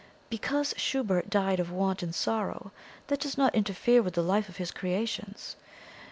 Because Schubert died of want and sorrow, that does not interfere with the life of his creations.